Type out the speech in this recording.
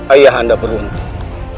ayah anda beruntung